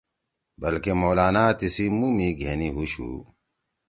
بلکہ مولانا تیِسی مُو می گھینی ہُوشُو۔